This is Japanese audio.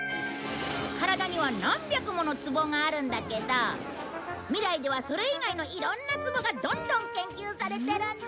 体には何百ものツボがあるんだけど未来ではそれ以外のいろんなツボがどんどん研究されてるんだ！